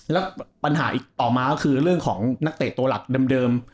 แล้วปัญหาอีกต่อมาก็คือเรื่องของนักเตะตัวหลักเดิม